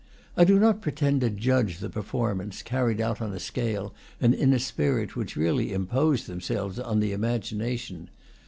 I do not pretend to judge the performance, carried out on a scale and in a spirit which really impose themselves on the imagination.